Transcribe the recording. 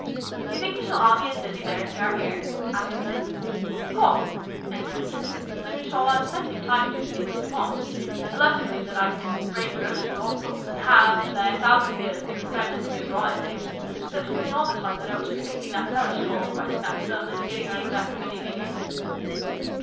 " Do you think we shall all be as busy there as we are here ?" asked Rhena. " Of course," Andrew answered. " Only we shall have plenty of time to do things as we want. I love to believe that I can raise roses of all sorts and have, say, a thousand years to experiment on new varieties, without feeling all the time that I ought to be making that parish call or writing that sermon or getting ready for that committee meeting."